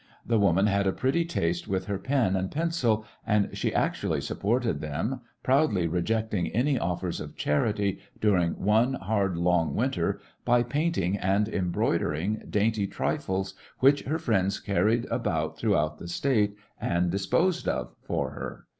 The woman had a pretty taste with her pen and pencil, and she actually supported them, proudly rejecting any offers of charity, during one hard, long winter, by painting and em broidering dainty trifles, which her friends carried about throughout the State and dis posed of for her.